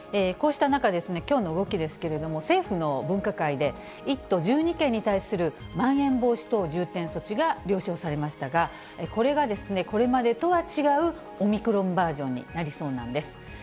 こうした中、きょうの動きですけれども、政府の分科会で、１都１２県に対するまん延防止等重点措置が了承されましたが、これがこれまでとは違うオミクロンバージョンになりそうなんです。